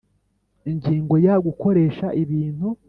Ingingo ya gukoresha ibintu